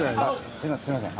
すいません